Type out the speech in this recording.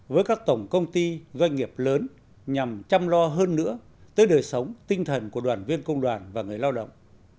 với các tổng công ty doanh nghiệp lớn nhằm chăm lo hơn nữa tới đời sống tinh thần của đoàn viên công đoàn và người lao động